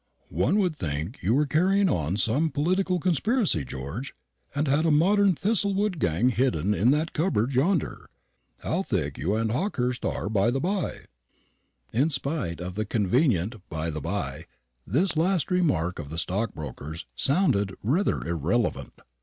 One would think you were carrying on some political conspiracy, George, and had a modern Thistlewood gang hidden in that cupboard yonder. How thick you and Hawkehurst are, by the bye!" In spite of the convenient "by the bye," this last remark of the stockbroker's sounded rather irrelevant.